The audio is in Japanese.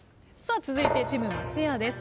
続いてチーム松也です。